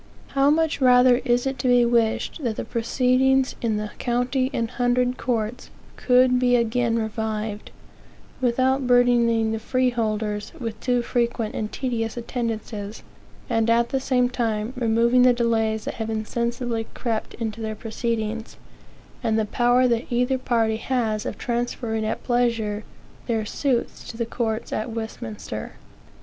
How much rather is it to be wished that the proceedings in the county and hundred courts could be again revived, without burdening the freeholders with too frequent and tedious attendances; and at the same time removing the delays that have insensibly crept into their proceedings, and the power that either party has of transferring at pleasure their suits to the courts at Westminster!